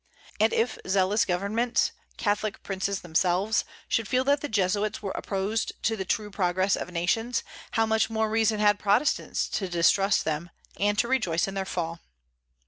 And if zealous governments Catholic princes themselves should feel that the Jesuits were opposed to the true progress of nations, how much more reason had Protestants to distrust them, and to rejoice in their fall!